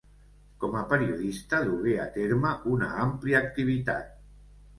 Com a periodista dugué a terme una àmplia activitat.